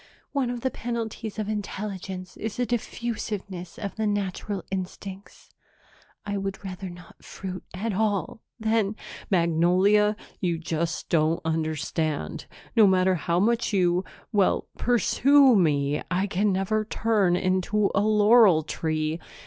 One of the penalties of intelligence is a diffusiveness of the natural instincts. I would rather not fruit at all than " "Magnolia, you just don't understand. No matter how much you well, pursue me, I can never turn into a laurel tree."